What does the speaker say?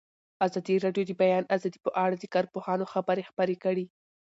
ازادي راډیو د د بیان آزادي په اړه د کارپوهانو خبرې خپرې کړي.